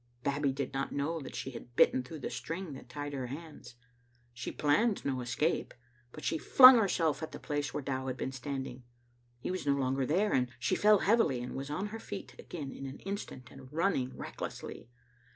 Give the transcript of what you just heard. Babbie did not know that she had bitten through the string that tied her hands. She planned no escape. But she flung herself at the place where Dow had been standing. He was no longer there, and she fell heavily, and was on her feet again in an instant and running recklessly.